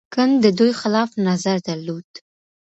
کنت د دوی خلاف نظر درلود.